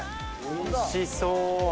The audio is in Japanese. おいしそう。